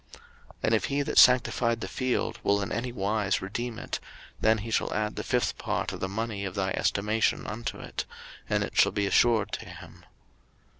03:027:019 And if he that sanctified the field will in any wise redeem it, then he shall add the fifth part of the money of thy estimation unto it, and it shall be assured to him.